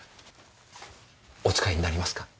お使いになりますか？